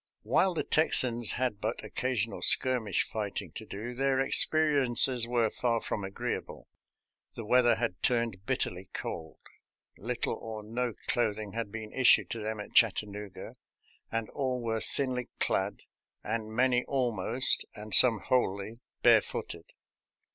While the Tex ans had but occasional skirmish fighting to do, their experiences were far from agreeable. The weather had turned bitterly cold; little or no clothing had been issued to them at Chattanooga, 176 SOLDIER'S LETTERS TO CHARMING NELLIE and all were thinly clad and many almost, and some wholly, barefooted.